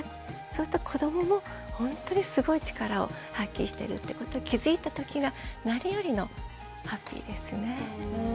そうすると子どももほんとにすごい力を発揮してるってことに気付いたときが何よりのハッピーですね。